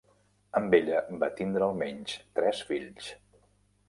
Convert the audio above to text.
Amb ella va tindre almenys tres fills.